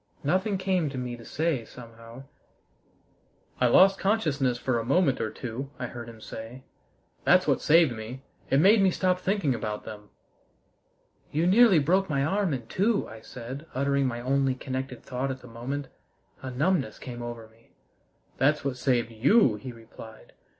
Nothing came to me to say, somehow. "I lost consciousness for a moment or two," I heard him say. "That's what saved me. It made me stop thinking about them." "You nearly broke my arm in two," I said, uttering my only connected thought at the moment. A numbness came over me. "That's what saved you!" he replied.